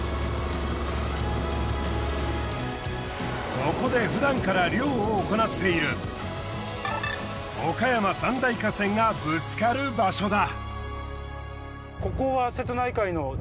ここでふだんから漁を行っている岡山３大河川がぶつかる場所だ。